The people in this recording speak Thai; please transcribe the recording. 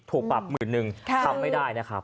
ถูกปรับหมื่นนึงทำไม่ได้นะครับ